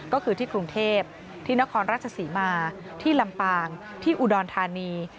ก็คือที่กรุงเทพที่นครราชศรีมาที่ลำปางที่อุดรธานี